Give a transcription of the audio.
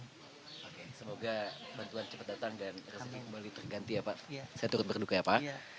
oke semoga bantuan cepat datang dan resmi kembali terganti ya pak saya turut berduka ya pak